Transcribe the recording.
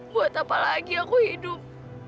buat apa lagi aku hidup